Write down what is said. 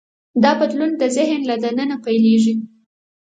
دا بدلون د ذهن له دننه پیلېږي.